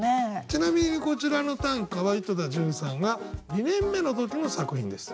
ちなみにこちらの短歌は井戸田潤さんが２年目の時の作品です。